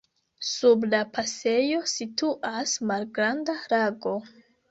Sub la pasejo situas malgranda lago.